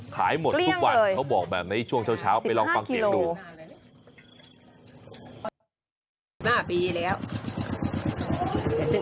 ขายหมดทุกวันเขาบอกแบบนี้ช่วงเช้าไปลองฟังเสียงดู